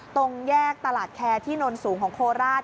ตรงแยกตลาดแคร์ที่นนสูงของโคราช